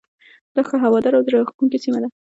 دا ښه هواداره او زړه راکښونکې سیمه ده.